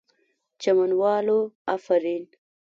چمن والو آفرین!!